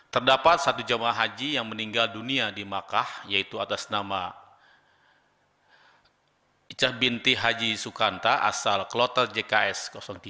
terdapat satu jamaah haji yang meninggal dunia di makkah yaitu atas nama icah binti haji sukanta asal kloter jks tiga